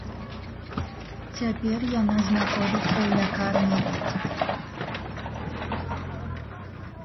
Цяпер яна знаходзіцца ў лякарні.